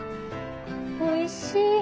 おいしい！